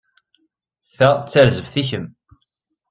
Ta d tarzeft i kemm.